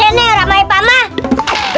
ini siapa yang mau ikut